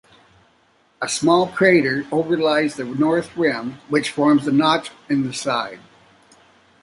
A small crater overlies the north rim, which forms a notch in the side.